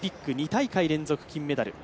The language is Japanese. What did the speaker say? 大会連続金メダル